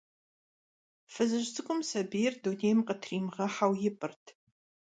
Fızıj ts'ık'um sabiyr dunêym khıtrimığeheu yip'ırt.